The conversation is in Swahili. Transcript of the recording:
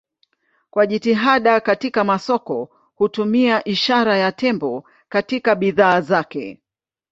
Kwa jitihada katika masoko hutumia ishara ya tembo katika bidhaa zake.